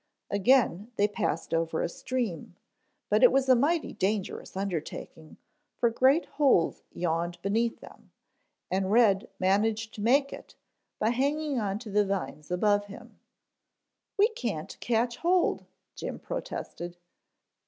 Again they passed over a stream, but it was a mighty dangerous undertaking, for great holes yawned beneath them, and Red managed to make it by hanging on to the vines above him. "We can't catch hold," Jim protested.